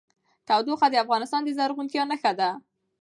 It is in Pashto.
تودوخه د افغانستان د زرغونتیا نښه ده.